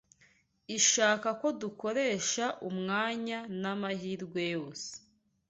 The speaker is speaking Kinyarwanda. Ishaka ko dukoresha umwanya n’amahirwe yose